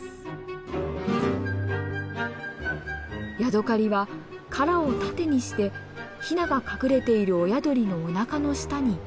ヤドカリは殻を盾にしてヒナが隠れている親鳥のおなかの下に潜り込もうとします。